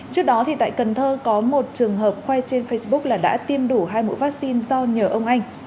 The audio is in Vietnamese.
trước đó thì tại cần thơ có một trường hợp quay trên facebook là đã tiêm đủ hai mũi vắc xin do nhờ ông anh